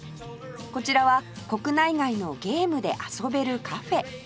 こちらは国内外のゲームで遊べるカフェ